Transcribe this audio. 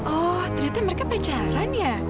oh ternyata mereka pacaran ya